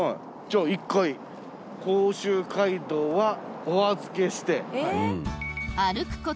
じゃあ１回甲州街道はお預けして。